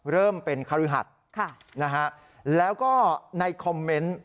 เริ่มเป็นคฤหัสแล้วก็ในคอมเมนต์